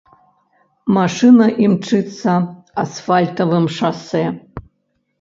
Машына імчыцца асфальтавым шасэ.